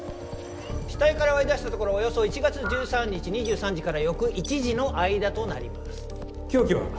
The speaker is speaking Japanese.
死体から割り出したところおよそ１月１３日２３時から翌１時の間となります凶器は？